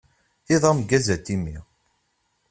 Iḍ ameggaz a Timmy.